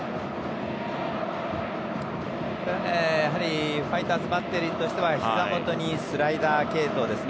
やはりファイターズバッテリーとしてはひざ元にスライダー系統ですね